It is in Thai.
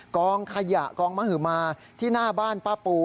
กองขยะกองมหมาที่หน้าบ้านป้าปู